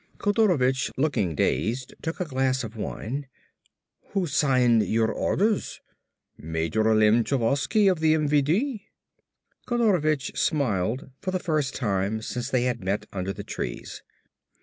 Kodorovich, looking dazed, took a glass of wine. "Who signed your orders?" "Major Lemchovsky of the MVD." Kodorovich smiled for the first time since they had met under the trees.